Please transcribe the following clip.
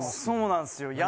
そうなんっすよ。